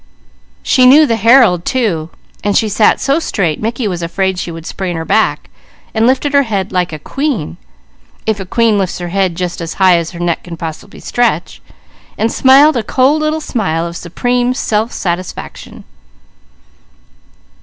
She knew the Herald too. She sat so straight Mickey was afraid she would strain her back, lifting her head "like a queen," if a queen lifts her head just as high as her neck can possibly stretch, and smiled a cold little smile of supreme self satisfaction.